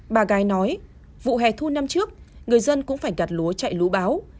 bà gái nói vụ hè thu năm trước người dân cũng phải gặt lúa chạy lũ báo